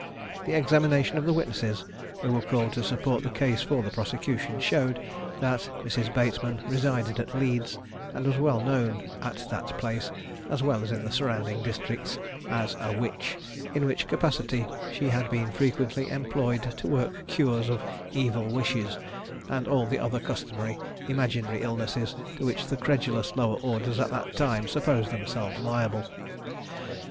The examination of the witnesses, who were called to support the case for the prosecution, showed, that Mrs. Bateman resided at Leeds, and was well known at that place, as well as in the surrounding districts, as a "witch," in which capacity she had been frequently employed to work cures of "evil wishes," and all the other customary imaginary illnesses, to which the credulous lower orders at that time supposed themselves liable.